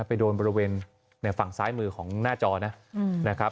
ไปโดนบริเวณฝั่งซ้ายมือของหน้าจอนะครับ